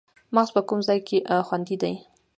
مغز په کوم ځای کې خوندي دی